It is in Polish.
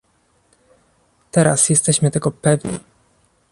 Teraz jesteśmy tego pewni